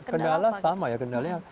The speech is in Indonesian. kendala sama ya kendalanya